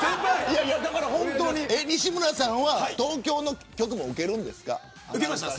西村さんは東京の局も受けたんですか。